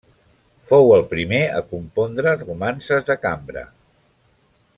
Fou el primer a compondre, romances de cambra.